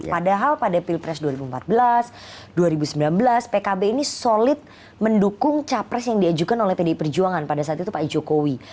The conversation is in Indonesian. padahal pada pilpres dua ribu empat belas dua ribu sembilan belas pkb ini solid mendukung capres yang diajukan oleh pdi perjuangan pada saat itu pak jokowi